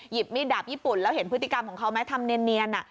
หยิบมีดดาบญี่ปุ่นแล้วเห็นพฤติกรรมของเขาไหมทำเนียนเนียนอ่ะ